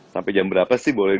sampai jam berapa sih boleh